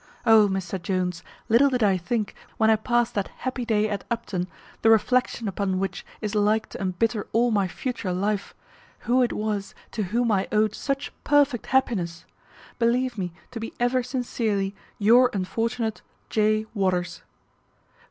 O, Mr Jones, little did I think, when I past that happy day at Upton, the reflection upon which is like to embitter all my future life, who it was to whom I owed such perfect happiness. Believe me to be ever sincerely your unfortunate "J. WATERS."